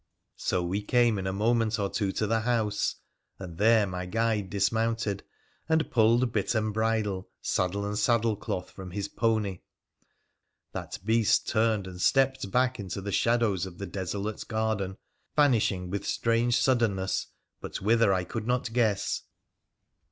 So we came in a moment or two to the house, and there my guide dis mounted and pulled bit and bridle, saddle and saddle cloth from his pony. That beast turned and stepped back into the shadows of the desolate garden, vanishing with strange suddenness, but whither I could not guess.